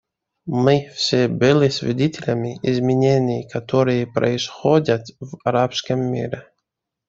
Мы все были свидетелями изменений, которые происходят в арабском мире.